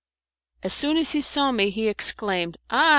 As soon as he saw me, he exclaimed, "Ah!